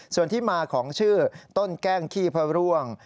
ส่วนที่มาของชื่อต้นแกล้งขี้พระร่วง